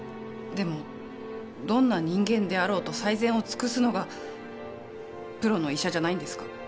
でもどんな人間であろうと最善を尽くすのがプロの医者じゃないんですか？